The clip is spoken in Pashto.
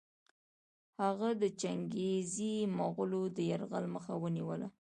هغه د چنګېزي مغولو د یرغل مخه ونیوله.